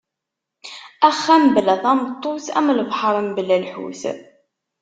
Axxam bla tameṭṭut am lebḥer bla lḥut.